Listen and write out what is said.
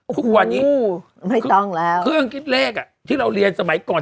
ทุกวันนี้ไม่ต้องแล้วเครื่องคิดเลขอ่ะที่เราเรียนสมัยก่อน